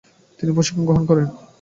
তিনি প্রশিক্ষণ গ্রহণ করেন।